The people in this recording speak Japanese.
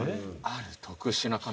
ある特殊な紙？